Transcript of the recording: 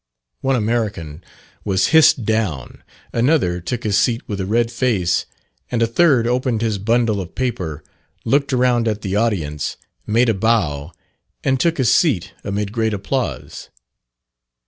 One American was hissed down, another took his seat with a red face, and a third opened his bundle of paper, looked around at the audience, made a bow, and took his seat amid great applause.